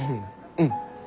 うん。